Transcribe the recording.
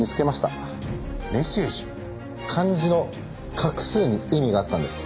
漢字の画数に意味があったんです。